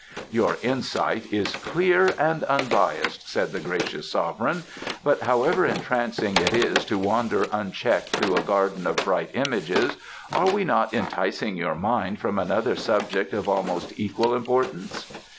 "Your insight is clear and unbiased," said the gracious Sovereign. "But however entrancing it is to wander unchecked through a garden of bright images, are we not enticing your mind from another subject of almost equal importance?"